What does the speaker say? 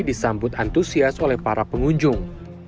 disambut antusias oleh para pengunjung